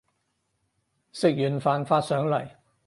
食完飯發上嚟